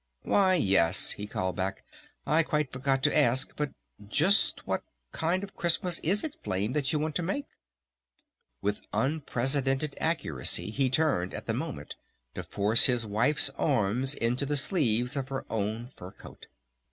"Why, yes," he called back, "I quite forgot to ask. Just what kind of a Christmas is it, Flame, that you want to make?" With unprecedented accuracy he turned at the moment to force his wife's arms into the sleeves of her own fur coat.